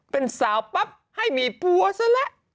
เป็นสาวปั๊บให้มีผัวซะแล้ว